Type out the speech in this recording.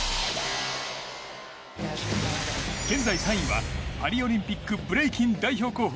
現在３位は、パリオリンピックブレイキン代表候補